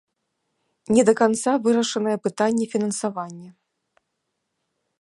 Не да канца вырашаныя пытанні фінансавання.